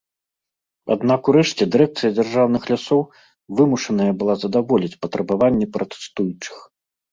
Аднак урэшце дырэкцыя дзяржаўных лясоў вымушаная была задаволіць патрабаванні пратэстуючых.